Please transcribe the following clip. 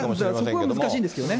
そこは難しいんですけどね。